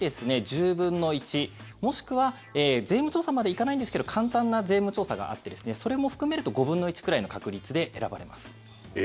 １０分の１もしくは税務調査まで行かないんですけど簡単な税務調査があってそれも含めると５分の１くらいの確率で選ばれます。